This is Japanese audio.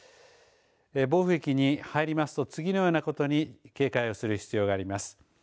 暴風域に入りますと次のようなことに警戒をする必要があります。